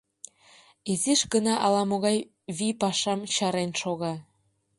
Изиш гына ала-могай вий пашам чарен шога.